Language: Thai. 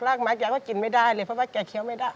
กไม้แกก็กินไม่ได้เลยเพราะว่าแกเคี้ยวไม่ได้